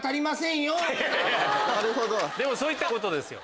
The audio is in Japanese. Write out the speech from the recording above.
でもそういったことですよ。